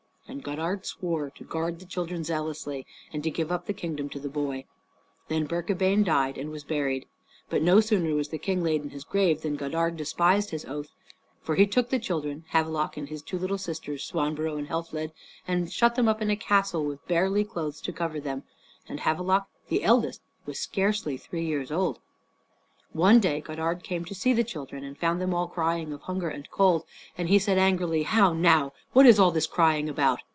And Godard swore to guard the children zealously, and to give up the kingdom to the boy. Then Birkabeyn died and was buried. But no sooner was the King laid in his grave than Godard despised his oath; for he took the children, Havelok and his two little sisters, Swanborough and Helfled, and shut them up in a castle with barely clothes to cover them. And Havelok, the eldest, was scarce three years old. One day Godard came to see the children, and found them all crying of hunger and cold; and he said angrily, "How now! What is all this crying about?"